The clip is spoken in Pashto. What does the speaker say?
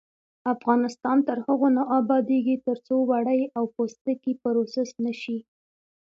افغانستان تر هغو نه ابادیږي، ترڅو وړۍ او پوستکي پروسس نشي.